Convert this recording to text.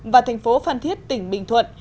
và thành phố phan thiết tỉnh bình thuận